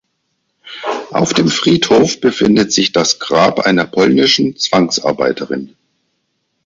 Auf dem Friedhof befindet sich das Grab einer polnischen Zwangsarbeiterin.